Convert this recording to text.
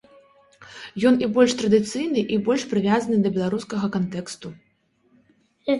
Ён і больш традыцыйны і больш прывязаны да беларускага кантэксту.